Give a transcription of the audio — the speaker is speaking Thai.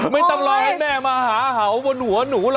ไม่ต้องรอให้แม่มาหาเห่าบนหัวหนูห